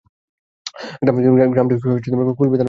গ্রামটি কুলপি থানার অন্তর্গত।